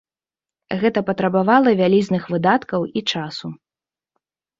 Гэта патрабавала вялізных выдаткаў і часу.